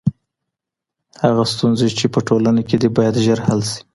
هغه ستونزي چي په ټولنه کي دي باید ژر حل سي.